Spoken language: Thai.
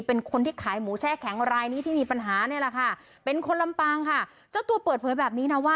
เป็นคนมีปัญหาเป็นคนพลังนะคะ